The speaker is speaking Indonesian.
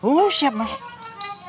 oh siap mas